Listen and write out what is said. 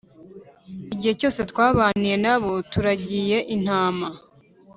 igihe cyose twabaniye na bo turagiye intama.